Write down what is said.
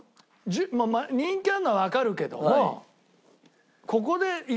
まあまあ人気あるのはわかるけども。